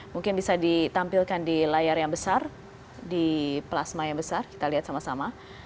mungkin bisa ditampilkan di layar yang besar di plasma yang besar kita lihat sama sama